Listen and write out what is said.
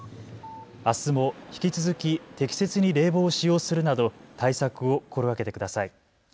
あすも引き続き適切に冷房を使用するなど対策を心がけてください。